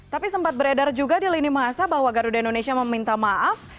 tapi sempat beredar juga di lini masa bahwa garuda indonesia meminta maaf